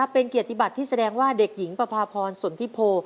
เป็นเกียรติบัติที่แสดงว่าเด็กหญิงประพาพรสนทิโพ